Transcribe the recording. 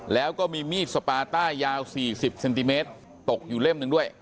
แล้วก็มีมีดสปาต้ายาว๔๐เซนติเมตรตกอยู่เล่มหนึ่งด้วย